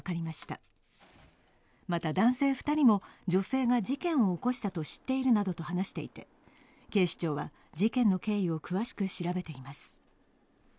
また、男性２人も女性が事件を起こしたと知っているなどと話していて、警視庁は事件の経緯を詳しく調べています。